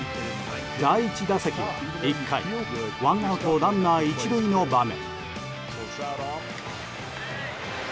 第１打席は１回ワンアウトランナー１塁の場面。